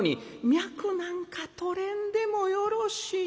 「脈なんかとれんでもよろしい。